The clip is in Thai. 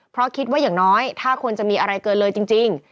เพราะคิดว่าอย่างน้อยถ้าคนจะมีอะไรเกินเลยจริง